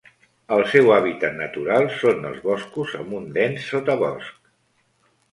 El seu hàbitat natural són els boscos amb un dens sotabosc.